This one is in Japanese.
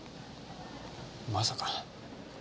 まさか。